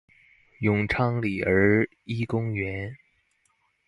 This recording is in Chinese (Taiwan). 永昌里兒一公園